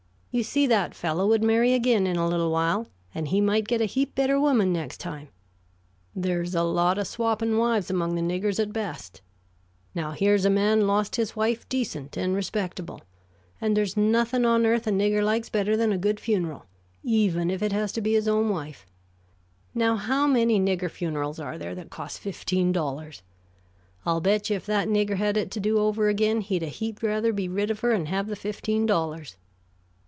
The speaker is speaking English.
You see, that fellow would marry again in a little while, and he might get a heap better woman next time. There's a lot of swapping wives among the niggers at best. Now, here's a man lost his wife decent and respectable, and there's nothing on earth a nigger likes better than a good funeral, even if it has to be his own wife. Now, how many nigger funerals are there that cost fifteen dollars? I'll bet you if that nigger had it to do over again he'd a heap rather be rid of her and have the fifteen dollars.